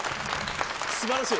すばらしい！